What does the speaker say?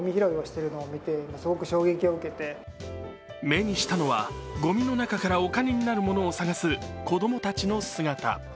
目にしたのは、ごみの中からお金になるものを探す子供たちの姿。